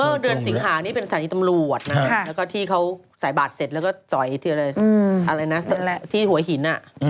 เดือนสิงหานี่เป็นสถานีตำรวจนะแล้วก็ที่เขาใส่บาทเสร็จแล้วก็จ่อยทีเลยอะไรนะที่หัวหินอ่ะ